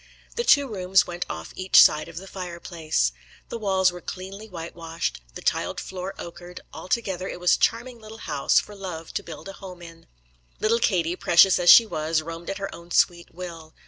The two rooms went off each side of the fire place. The walls were cleanly white washed, the tiled floor ochred; altogether it was a charming little house for love to build a home in. Little Katie, precious as she was, roamed at her own sweet will.